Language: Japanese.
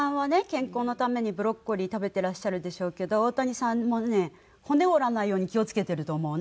健康のためにブロッコリー食べていらっしゃるでしょうけど大谷さんもね骨折らないように気を付けてると思うな。